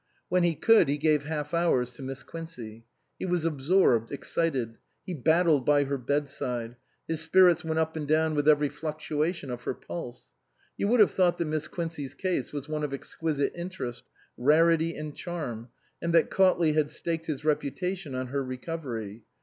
When he could he gave half hours to Miss Quincey. He was absorbed, excited ; he battled by her bedside ; his spirits went up and down with every fluctuation of her pulse ; you would have thought that Miss Quincey's case was one of exquisite interest, rarity and charm, and that Cautley had staked his reputation on her recovery.